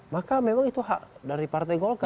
maka memang itu hak dari partai golkar